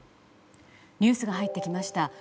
ニュースが入ってきました。